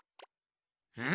うん？